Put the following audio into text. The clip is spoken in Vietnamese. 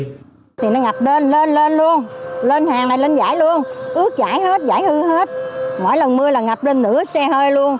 thì nó ngập lên lên lên luôn lên hàng này lên giải luôn ước giải hết giải hư hết mỗi lần mưa là ngập lên nửa xe hơi luôn